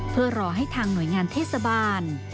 เพื่อรอให้ทางหน่วยงานเทศบาล